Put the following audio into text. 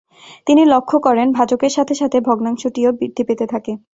তিনি লক্ষ্য করেন ভাজকের সাথে সাথে ভগ্নাংশটিও বৃদ্ধি পেতে থাকে।